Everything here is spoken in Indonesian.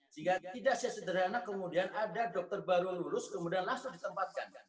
sehingga tidak sesederhana kemudian ada dokter baru lulus kemudian langsung ditempatkan